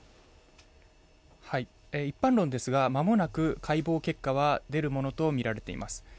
一般論ですが、間もなく解剖結果は出るものとみられています。